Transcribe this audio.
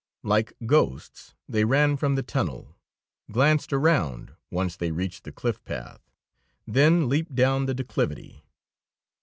Like ghosts they ran from the tunnel, glanced around once as they reached the cliff path, then leaped down the declivity.